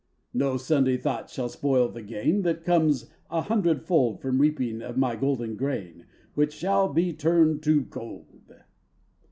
"No Sunday thought shall spoil the gain That comes a hundred fold From reaping of my golden grain, Which shall be turned to gold."